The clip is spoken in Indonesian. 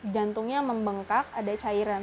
jantungnya membengkak ada cairan